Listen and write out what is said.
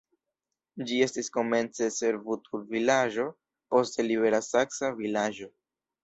Ĝi estis komence servutulvilaĝo, poste libera saksa vilaĝo.